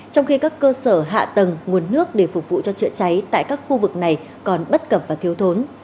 trong khi các cơ sở hạ tầng nguồn nước để phục vụ cho chữa cháy tại các khu vực này còn bất cập và thiếu thốn